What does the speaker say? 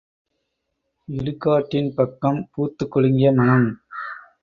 இடு காட்டின் பக்கம் பூத்துக் குலுங்கிய மணம்!